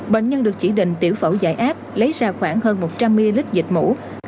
bệnh nhân được chỉ định tiểu phẫu giải áp lấy ra khoảng hơn một trăm linh ml dịch mũ